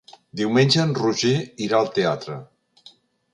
Diumenge en Roger irà al teatre.